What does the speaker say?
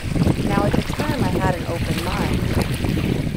Now at the time I had an open mind.